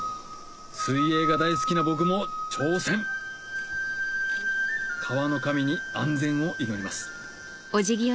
水泳が大好きな僕も挑戦川の神に安全を祈ります